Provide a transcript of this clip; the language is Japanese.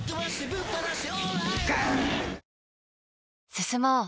進もう。